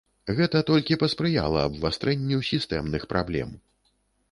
Гэта толькі паспрыяла абвастрэнню сістэмных праблем.